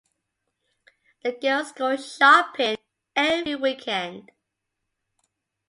The girls go shopping every weekend.